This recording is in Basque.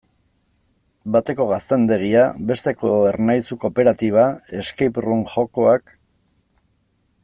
Bateko gaztandegia, besteko Ernaizu kooperatiba, escape-room jokoak...